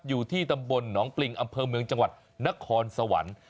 อยู่ที่ตำบลหนองปริงอำเภอเมืองจังหวัดนครสวรรค์